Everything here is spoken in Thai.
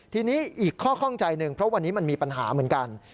ทีนี้อีกข้อข้องใจหนึ่งเพราะวันนี้มันมีปัญหาเหมือนกัน